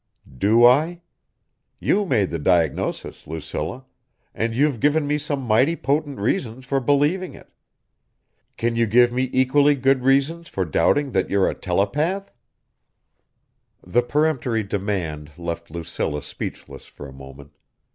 "Do I? You made the diagnosis, Lucilla, and you've given me some mighty potent reasons for believing it ... can you give me equally good reasons for doubting that you're a telepath?" The peremptory demand left Lucilla speechless for a moment.